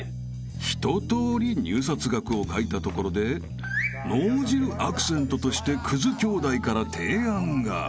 ［一とおり入札額を書いたところで脳汁アクセントとしてクズ兄弟から提案が］